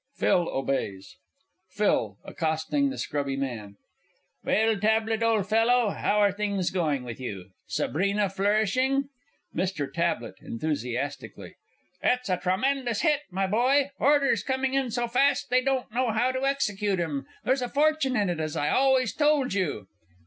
[Phil obeys. PHIL (accosting the Scrubby Man). Well, Tablett, old fellow, how are things going with you? Sabrina flourishing? MR. TABLETT. It's a tremendous hit, my boy; orders coming in so fast they don't know how to execute 'em there's a fortune in it, as I always told you!